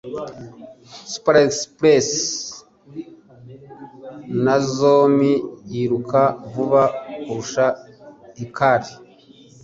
Superexpress Nozomi yiruka vuba kurusha Hikari.